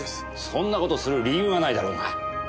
そんな事する理由がないだろうが！